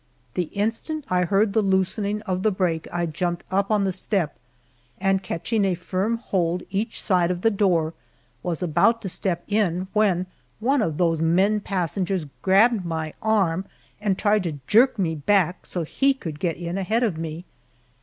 The instant I heard the loosening of the brake I jumped up on the step, and catching a firm hold each side of the door, was about to step in when one of those men passengers grabbed my arm and tried to jerk me back, so he could get in ahead of me!